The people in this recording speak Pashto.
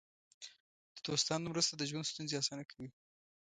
د دوستانو مرسته د ژوند ستونزې اسانه کوي.